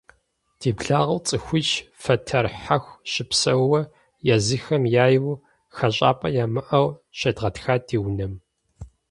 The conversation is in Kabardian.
Ди благъэу цӀыхуищ, фэтэр хьэху щыпсэууэ, езыхэм яйуэ хэщӀапӀэ ямыӀэу, щедгъэтхат ди унэм.